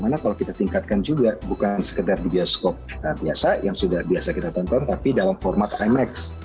karena kalau kita tingkatkan juga bukan sekedar di bioskop biasa yang sudah biasa kita tonton tapi dalam format imax